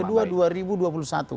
trauma kedua dua ribu dua puluh satu